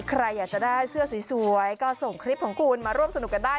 ใครอยากจะได้เสื้อสวยก็ส่งคลิปของคุณมาร่วมสนุกกันได้